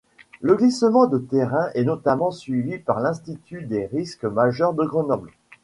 Le glissement de terrain est notamment suivi par l'Institut des risques majeurs de Grenoble.